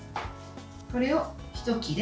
これをひと切れ